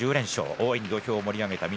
大いに土俵を盛り上げた翠